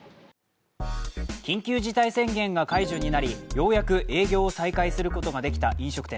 緊急事態宣言が解除になりようやく営業を再開することができた飲食店。